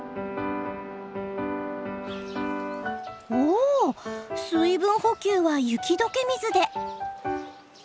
お水分補給は雪解け水で。